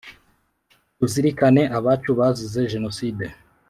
tuzirikane abacu abazize jenoside,